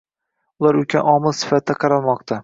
Ular ulkan omili sifatida qaralmoqda